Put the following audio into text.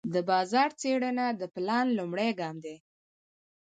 د بازار څېړنه د پلان لومړی ګام دی.